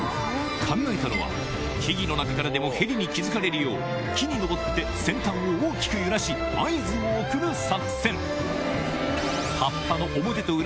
考えたのは木々の中からでもヘリに気付かれるよう木に登って先端を大きく揺らし合図を送る作戦